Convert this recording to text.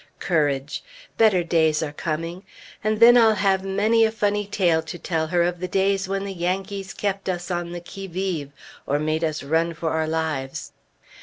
Courage! Better days are coming! And then I'll have many a funny tale to tell her of the days when the Yankees kept us on the qui vive, or made us run for our lives.